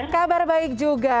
kabar baik juga